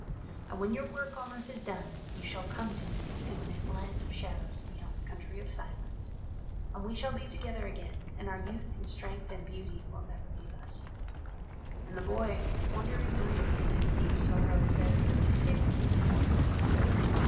And when your work on earth is done you shall come to me in this Land of Shadows beyond the Country of Silence, and we shall be together again and our youth and strength and beauty will never leave us." And the boy, wondering greatly and in deep sorrow, said, "Let me stay with you now."